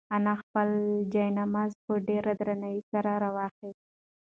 انا خپل جاینماز په ډېر درناوي سره راواخیست.